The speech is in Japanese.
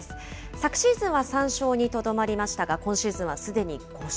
昨シーズンは３勝にとどまりましたが、今シーズンはすでに５勝。